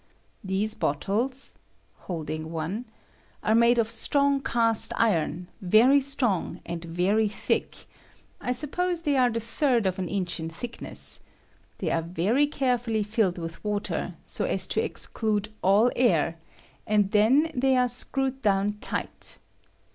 These botdes [holding one] are made of strong iron, very strong and very thick — I suppose they are the third of an inch in thickness ; they 1 J I h WATER CHANGED INTO STEAM. 71 are very carefully filled 171111 water, so as to exclude all air, and then they are screwed down tight.